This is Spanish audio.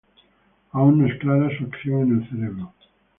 Aún no es clara su acción en el cerebro.